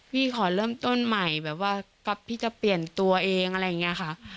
ขอเริ่มต้นใหม่แบบว่าพี่จะเปลี่ยนตัวเองอะไรอย่างนี้ค่ะ